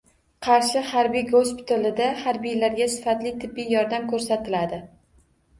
Qarshi harbiy gospitalida harbiylarga sifatli tibbiy xizmat ko‘rsatiladi